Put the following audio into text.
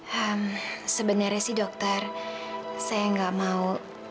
hmm sebenarnya sih dokter saya nggak mau